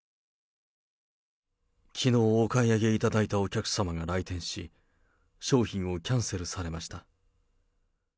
きのうお買い上げいただいたお客様が来店し、商品をキャンセルされました。